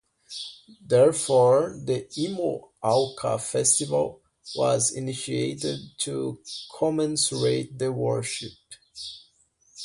Therefore the Imo Awka festival was initiated to commensurate the worship.